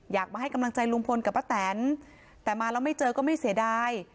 มาให้กำลังใจลุงพลกับป้าแตนแต่มาแล้วไม่เจอก็ไม่เสียดาย